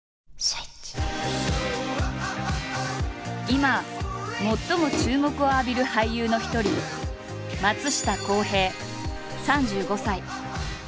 今最も注目を浴びる俳優の一人松下洸平３５歳。